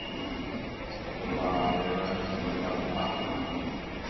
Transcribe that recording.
Opavavéva ñanembotavypa.